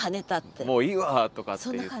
「もういいわ！」とかって言って。